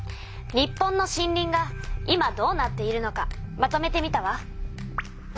日本の森林が今どうなっているのかまとめてみたわ。